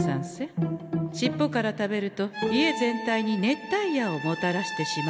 尻尾から食べると家全体に熱帯夜をもたらしてしまうのでござんす。